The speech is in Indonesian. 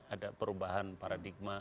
ada perubahan paradigma